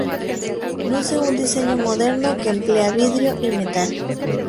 Luce un diseño moderno que emplea vidrio y metal.